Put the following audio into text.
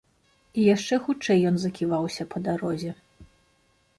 І яшчэ хутчэй ён заківаўся па дарозе.